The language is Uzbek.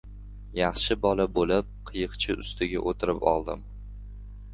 «Yaxshi bola» bo‘lib, qiyiqcha ustiga o‘tirib oldim.